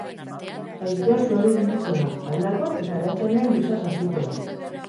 Haizea suabe ibiliko da, aldakor, eta arratsaldean brisa sartuko da.